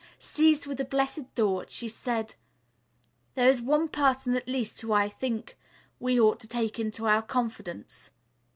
Seized with a blessed thought she said: "There is one person at least whom I think we ought to take into our confidence.